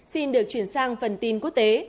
xin được chuyển sang phần tin quốc tế